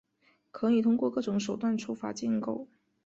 可以通过各种手段触发构建。